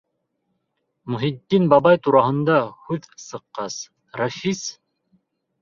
Мөхөтдин бабай тураһында һүҙ сыҡҡас, Рәфис: